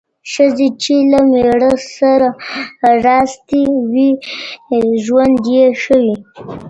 د ښځي چې له مېړه سره راستي وي، ژوند یې ښه وي `